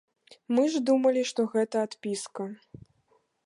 Мы ж думалі, што гэта адпіска.